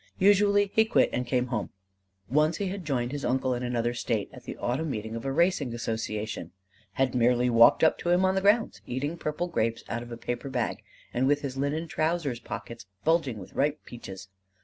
Usually he quit and came home. Once he had joined his uncle in another State at the Autumn meeting of a racing association had merely walked up to him on the grounds, eating purple grapes out of a paper bag and with his linen trousers pockets bulging with ripe peaches.